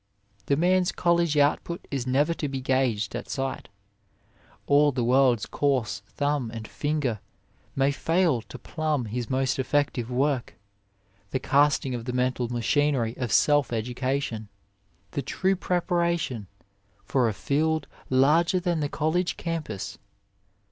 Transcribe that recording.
The man s college output is never to be gauged at sight; all the world s coarse thumb and finger may fail to plumb his most effective work, the casting of the mental machinery of self education, the true preparation for a field larger than the college campus.